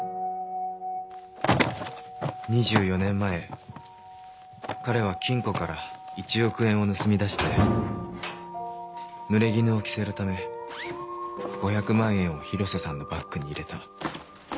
２４年前彼は金庫から１億円を盗み出してぬれぎぬを着せるため５００万円を広瀬さんのバッグに入れた。